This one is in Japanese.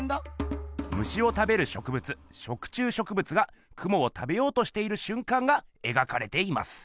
虫を食べる植物食虫植物がクモを食べようとしているしゅんかんが描かれています。